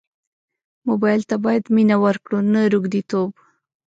موبایل ته باید مینه ورکړو نه روږديتوب.